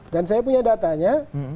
dan saya punya datanya